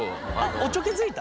おちょけづいた？